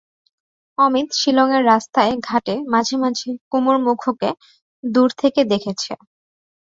অমিত শিলঙের রাস্তায়-ঘাটে মাঝে মাঝে কুমার মুখোকে দূর থেকে দেখেছে।